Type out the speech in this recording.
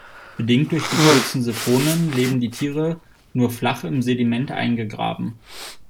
Bedingt durch die kurzen Siphonen leben die Tiere nur flach im Sediment eingegraben.